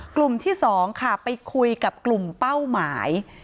กลุ่มที่๒ค่ะไปคุยกับกลุ่มเป้าหมาย